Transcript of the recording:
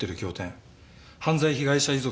犯罪被害者遺族